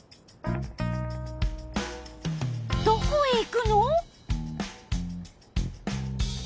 どこへ行くの？